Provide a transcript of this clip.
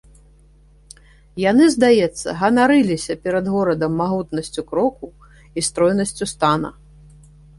Яны, здаецца, ганарыліся перад горадам магутнасцю кроку і стройнасцю стана.